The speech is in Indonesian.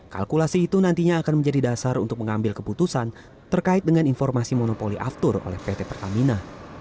kalkulasi itu nantinya akan menjadi dasar untuk mengambil keputusan terkait dengan informasi monopoli aftur oleh pt pertamina